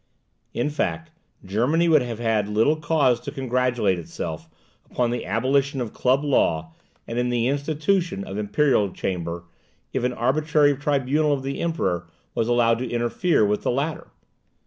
In fact, Germany would have had little cause to congratulate itself upon the abolition of club law, and in the institution of the Imperial Chamber, if an arbitrary tribunal of the Emperor was allowed to interfere with the latter.